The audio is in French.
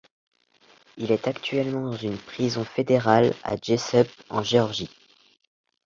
Il est actuellement dans une prison fédérale à Jesup, en Géorgie.